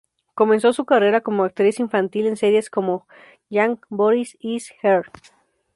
Comenzó su carrera como actriz infantil en series como "Jang Bo ri is Here!